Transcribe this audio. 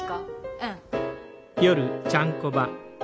うん。